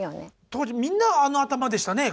当時みんなあの頭でしたね。